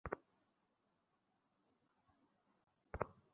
তার বাহিনীর তলোয়ারে বিদ্যুতের স্ফুরণ ঘটতে থাকে।